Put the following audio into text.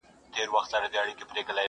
• کورنۍ ورو ورو تيت کيږي تل,